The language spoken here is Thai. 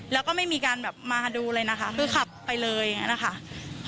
แล้วก็ไม่มีการแบบมาดูเลยนะคะคือขับไปเลยอย่างนั้นนะคะ